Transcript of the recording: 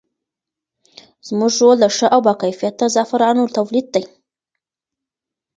زموږ رول د ښه او باکیفیته زعفرانو تولید دی.